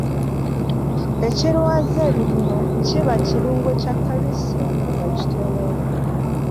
Ekirwaza ebibuno kibeera kirungo kya kalisiyamu nga kitono.